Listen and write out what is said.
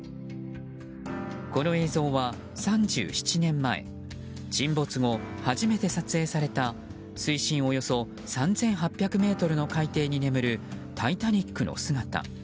この映像は３７年前沈没後、初めて撮影された水深およそ３８００ｍの海底に眠る「タイタニック」の姿。